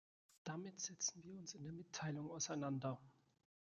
Damit setzen wir uns in der Mitteilung auseinander.